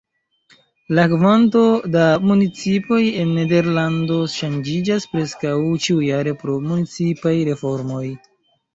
La kvanto da municipoj en Nederlando ŝanĝiĝas preskaŭ ĉiujare pro municipaj reformoj.